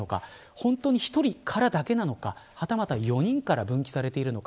本当に１人からだけなのかはたまた４人から分岐されているのか